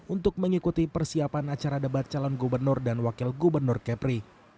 untuk mengikuti persiapan acara debat calon gubernur dan wakil gubernur kepri